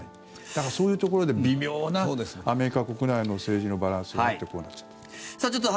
だから、そういうところで微妙なアメリカ国内の政治のバランスがあってこうなっちゃった。